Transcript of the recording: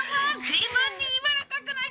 自分に言われたくない。